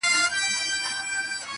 دا روايت د ټولنې ژور نقد وړلاندي کوي